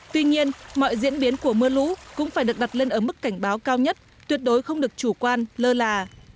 tuy nhiên mọi diễn biến của mưa lũ cũng phải được đặt lên ở mức cảnh báo cao nhất tuyệt đối không được chủ quan lơ là